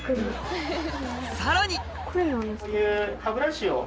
さらに！